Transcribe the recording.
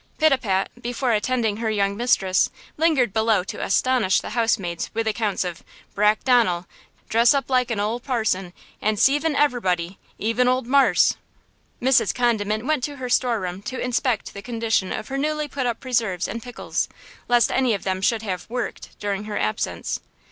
Pitapat, before attending her young mistress, lingered below to astonish the housemaids with accounts of "Brack Donel, dress up like an ole parson, an' 'ceiving everybody, even ole Marse!" Mrs. Condiment went to her store room to inspect the condition of her newly put up preserves and pickles, lest any of them should have "worked" during her absence.